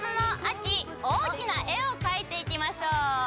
大きな絵をかいていきましょう。